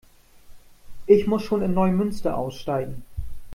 Ich muss schon in Neumünster aussteigen